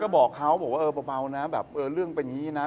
ก็บอกเขาบอกว่าเออเบานะแบบเออเรื่องเป็นอย่างนี้นะ